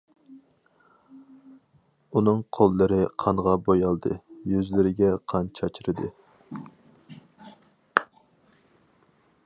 ئۇنىڭ قوللىرى قانغا بويالدى، يۈزلىرىگە قان چاچرىدى.